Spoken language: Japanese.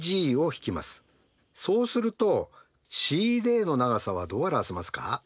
そうするとＣＤの長さはどう表せますか？